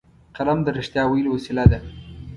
قلم د رښتیا ویلو وسیله ده